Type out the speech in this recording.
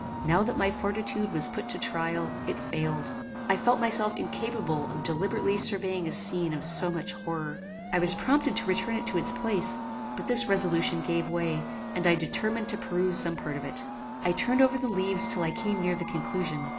Now that my fortitude was put to trial, it failed. I felt myself incapable of deliberately surveying a scene of so much horror. I was prompted to return it to its place, but this resolution gave way, and I determined to peruse some part of it. I turned over the leaves till I came near the conclusion.